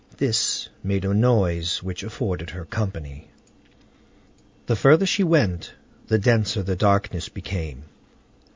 This made a noise which afforded her company. The further she went, the denser the darkness became.